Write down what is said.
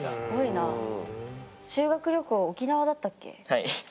はい。